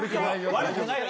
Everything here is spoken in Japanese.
悪くないよ！